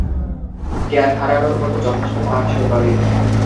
জ্ঞান হারানোর মত যথেষ্ট পান সে করে।